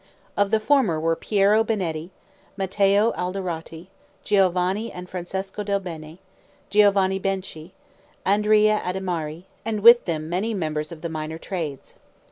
Of the former were Piero Benini, Matteo Alderotti, Giovanni and Francesco del Bene, Giovanni Benci, Andrea Adimari, and with them many members of the minor trades.